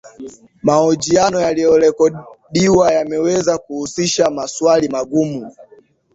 mahojiano yaliyorekodiwa yanaweza kuhusisha maswali magumu